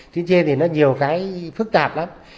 tuyến trên thì nó nhiều cái phức tạp lắm